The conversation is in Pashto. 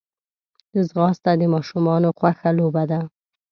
ځغاسته د ماشومانو خوښه لوبه ده